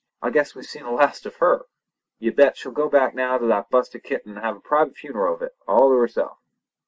I guess we've seen the last of her! You bet, she'll go back now to that busted kitten and have a private funeral of it, all to herself!"